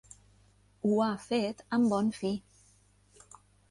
Ho ha fet amb bon fi.